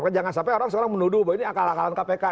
jangan sampai orang sekarang menuduh bahwa ini akal akalan kpk